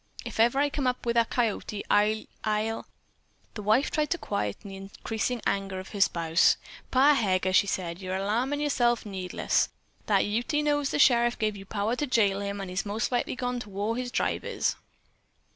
If ever I come up wi' that coyote, I'll I'll " The wife tried to quiet the increasing anger of her spouse. "Pa Heger," she said, "you're alarmin' yerself needless. That Ute knows the sheriff gave you power to jail him, an' he's mos' likely gone to whar his tribe is."